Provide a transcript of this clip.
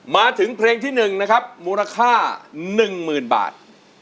มาถึงเพลงที่๑นะครับมูลค่า๑๐๐๐บาท